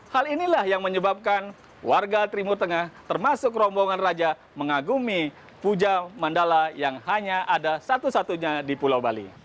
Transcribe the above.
hal inilah yang menyebabkan warga timur tengah termasuk rombongan raja mengagumi puja mandala yang hanya ada satu satunya di pulau bali